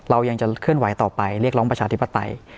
เรายังจะขึ้นไหวต่อไปเรียกร้องปราชาธิปัตย์